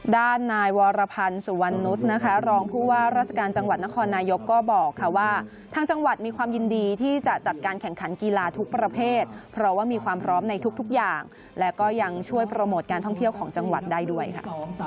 ด้านนายวรพันธ์สุวรรณนุษย์นะคะรองผู้ว่าราชการจังหวัดนครนายกก็บอกค่ะว่าทางจังหวัดมีความยินดีที่จะจัดการแข่งขันกีฬาทุกประเภทเพราะว่ามีความพร้อมในทุกอย่างและก็ยังช่วยโปรโมทการท่องเที่ยวของจังหวัดได้ด้วยค่ะ